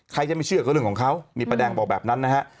ใครจะไม่เชื่อก็เรื่องของเขามีแปลกแบบนั้นนะฮะ